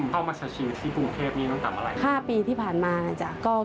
คุณแม่คนนี้คุณแม่คนนี้